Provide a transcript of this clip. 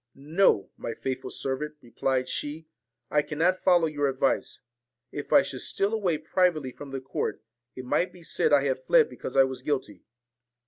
'No, my faithful servant,' replied she; 'I cannot follow your advice. If I should steal away privately from the court, it might be said I had fled because I was guilty.